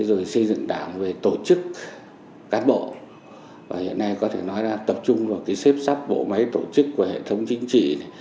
rồi xây dựng đảng về tổ chức cán bộ và hiện nay có thể nói là tập trung vào cái xếp sắp bộ máy tổ chức của hệ thống chính trị này